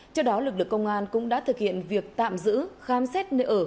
cho đó lực lực công an cũng đã thực hiện việc tạm giữ khám xét nơi ở